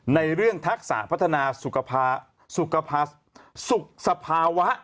ในเรื่องทักษะพัฒนาสุขสภาวะ